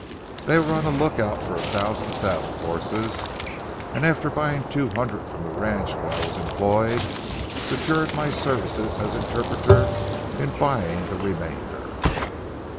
They were on the lookout for a thousand saddle horses, and after buying two hundred from the ranch where I was employed, secured my services as interpreter in buying the remainder.